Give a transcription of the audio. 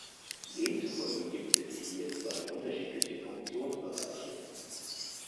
Demzufolge gibt es hier zwei unterschiedliche Funktionsbereiche.